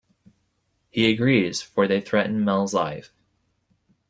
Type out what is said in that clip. He agrees; for they threaten Mel's life.